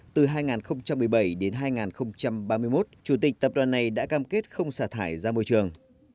từ hai nghìn một mươi bảy đến hai nghìn ba mươi một chủ tịch tập đoàn này đã cam kết không xả thải ra môi trường